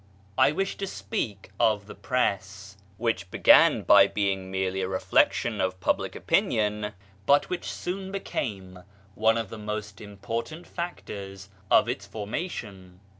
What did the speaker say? I wish to speak of the Press, which began by being merely a reflection of public opinion, but which soon became one of the most important factors of its formation.